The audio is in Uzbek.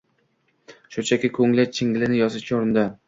Shunchaki ko’ngil chigilini yozishga urindi.